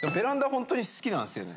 ほんとに好きなんですよね。